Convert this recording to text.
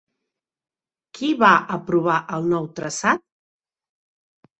Qui va aprovar el nou traçat?